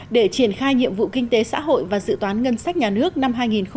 để triển khai nhiệm vụ kinh tế xã hội và dự toán ngân sách nhà nước năm hai nghìn hai mươi